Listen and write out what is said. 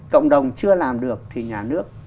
cộng đồng chưa làm được thì nhà nước